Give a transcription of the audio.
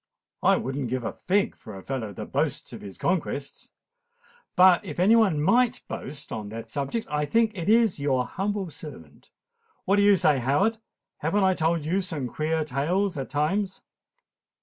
"I would not give a fig for a fellow that boasts of his conquests. But if any one might boast on that subject, I think it is your humble servant. What do you say, Howard? Haven't I told you some queer tales at times?"